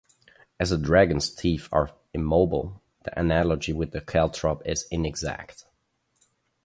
As dragon's teeth are immobile, the analogy with the caltrop is inexact.